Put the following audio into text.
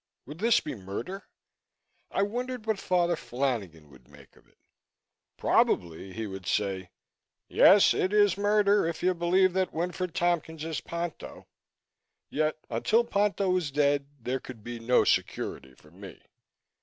Would this be murder? I wondered what Father Flanagan would make of it. Probably he would say, "Yes, it is murder if you believe that Winfred Tompkins is Ponto." Yet until Ponto was dead, there could be no security for me.